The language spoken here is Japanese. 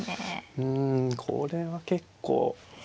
うんこれは結構。